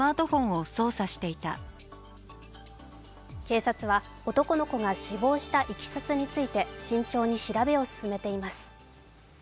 警察は男の子が死亡したいきさつについて慎重に調べを進めています。